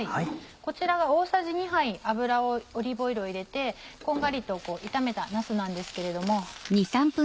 こちらは大さじ２杯オリーブオイルを入れてこんがりと炒めたなすなんですけれども。